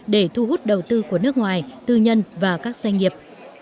để thu hút đầu tư của nước ngoài tư nhân và các doanh nghiệp